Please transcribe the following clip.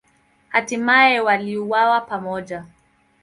Hatimaye waliuawa pamoja.